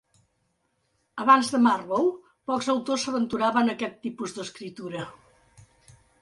Abans de Marlowe, pocs autors s'aventuraven a aquest tipus d'escriptura.